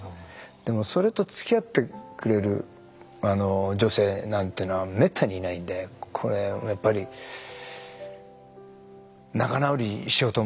でもそれとつきあってくれる女性なんていうのはめったにいないんでこれはやっぱり仲直りしようと思ってね。